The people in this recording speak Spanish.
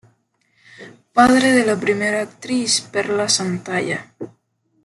Padre de la primera actriz Perla Santalla.